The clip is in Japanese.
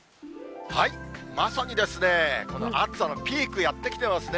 まさにこの暑さのピーク、やって来てますね。